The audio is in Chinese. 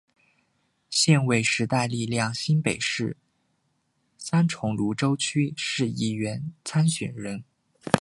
现为时代力量新北市三重芦洲区市议员参选人。